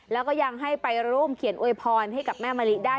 แล้วก็ยังให้ไปร่วมเขียนอวยพรให้กับแม่มะลิได้